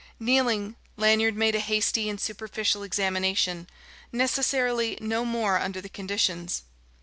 Kneeling, Lanyard made a hasty and superficial examination, necessarily no more under the conditions.